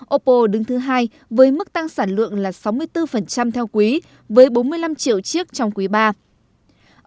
oppo đứng thứ hai với mức tăng sản lượng là sáu mươi bốn theo quý với bốn mươi năm triệu chiếc trong quý iii